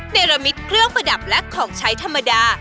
เนรมิตเครื่องประดับและของใช้ธรรมดา